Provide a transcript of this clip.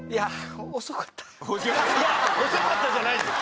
いや「遅かった」じゃないです。